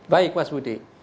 baik mas budi